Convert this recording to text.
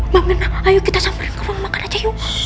mamirna ayo kita sambil ke ruang makan aja yuk